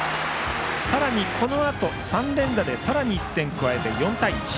さらにこのあと、３連打でさらに１点加えて４対１。